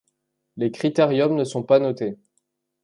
Les critériums ne sont pas notés.